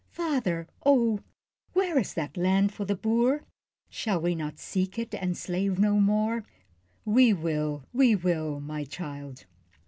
Father, oh! where is that home for the Boer? Shall we not seek it and slave no more? We will, we will, my child!